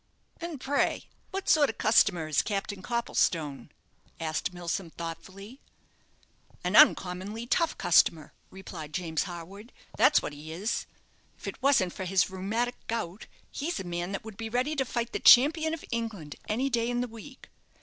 "And pray what sort of a customer is Captain Copplestone?" asked Milsom, thoughtfully. "An uncommonly tough customer," replied James Harwood; "that's what he is. If it wasn't for his rheumatic gout, he's a man that would be ready to fight the champion of England any day in the week.